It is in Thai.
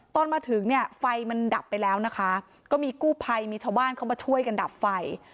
ตอนมาถึงเนี่ยไฟมันดับไปแล้วนะคะก็มีกู้ภัยมีชาวบ้านเข้ามาช่วยกันดับไฟ